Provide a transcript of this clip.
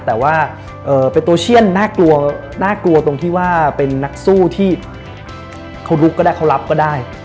แต่ว่าเป็นตัวเชียนน่ากลัวน่ากลัวตรงที่ว่าเป็นนักสู้ที่เขาลุกก็ได้เขารับก็ได้